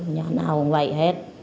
nhà nào cũng vậy hết